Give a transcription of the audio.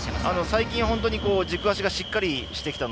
最近は軸足がしっかりしてきました。